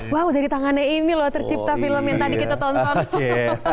wow dari tangannya ini loh tercipta film yang tadi kita tonton